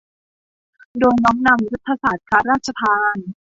โดยน้อมนำยุทธศาสตร์พระราชทาน